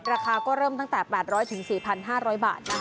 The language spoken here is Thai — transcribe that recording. ราคาก็เริ่มตั้งแต่๘๐๐๔๕๐๐บาทนะคะ